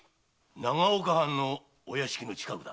長岡藩のお屋敷の近くだ。